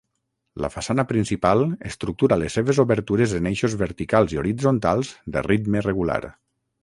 La façana principal estructura les seves obertures en eixos verticals i horitzontals de ritme regular.